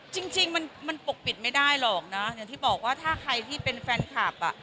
จริงมันปกปิดไม่ได้หรอกนะอย่างที่บอกว่าถ้าใครที่เป็นแฟนคลับอ่ะ